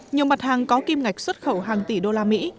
nhiều mặt hàng có kim ngạch xuất khẩu hàng tỷ usd